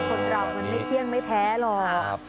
คนเรามันไม่เที่ยงไม่แท้หรอก